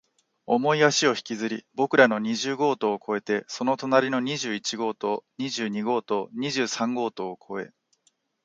重い足を引きずり、僕らの二十号棟を越えて、その隣の二十一号棟、二十二号棟、二十三号棟を越え、